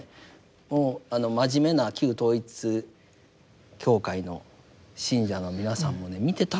もう真面目な旧統一教会の信者の皆さんもね見てたらいいと思いますね。